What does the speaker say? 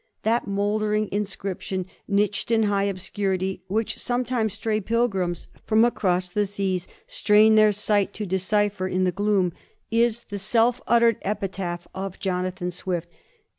That mouldering in scription, niched in high obscurity, which sometimes stray pilgrims from across the seas strain their sight to decipher in the gloom, is the self uttered epitaph of Jonathan Swift.